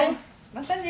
またね。